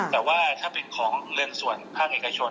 แต่ว่าถ้าเป็นของเงินส่วนภาคเอกชน